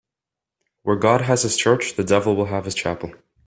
Where God has his church, the devil will have his chapel.